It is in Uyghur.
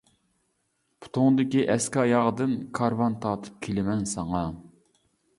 پۇتۇڭدىكى ئەسكى ئاياغدىن، كارۋان تارتىپ كېلىمەن ساڭا.